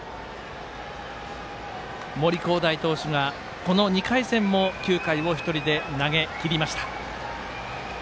森煌誠投手が、この２回戦も９回を１人で投げきりました。